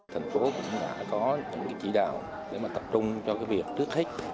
thành phố cũng đã có những cái chỉ đạo để mà tập trung cho cái việc thức thích